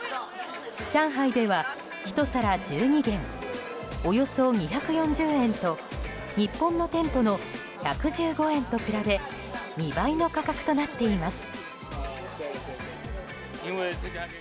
上海ではひと皿１２元およそ２４０円と日本の店舗の１１５円と比べ２倍の価格となっています。